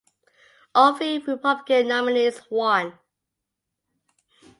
All three Republican nominees won.